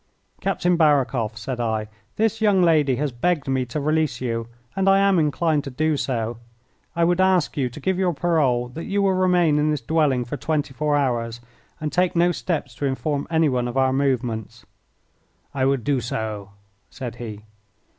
"Captain Barakoff," said I, "this young lady has begged me to release you, and I am inclined to do so. I would ask you to give your parole that you will remain in this dwelling for twenty four hours, and take no steps to inform anyone of our movements." "I will do so," said he.